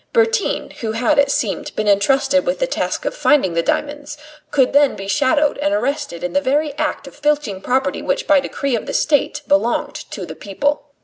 Bertin, who had, it seemed, been entrusted with the task of finding the diamonds, could then be shadowed and arrested in the very act of filching property which by decree of the State belonged to the people.